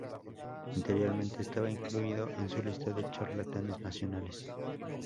Anteriormente estaba incluido en su lista de Charlatanes Nacionales.